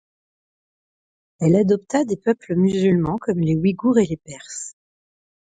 Elle adopta des peuples musulmans comme les Ouïghours et les Perses.